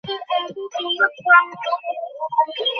দেশের বাইরে যখন প্যারাসাইকোলজি পড়তে গেলাম।